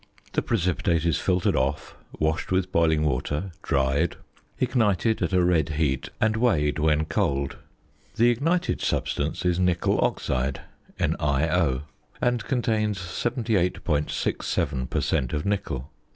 The precipitate is filtered off, washed with boiling water, dried, ignited at a red heat, and weighed when cold. The ignited substance is nickel oxide (NiO), and contains 78.67 per cent. of nickel.